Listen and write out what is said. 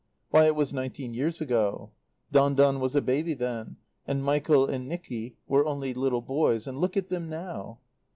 Why, it was nineteen years ago. Don Don was a baby then, and Michael and Nicky were only little boys. And look at them now!